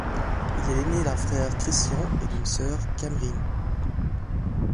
Il est l'aîné d'un frère Christian et d'une sœur Camryn.